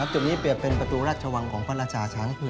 จุดนี้เปรียบเป็นประตูราชวังของพระราชาช้าง